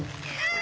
あ！